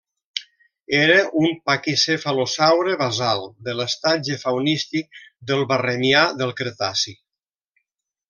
Era un paquicefalosaure basal de l'estatge faunístic del Barremià del Cretaci.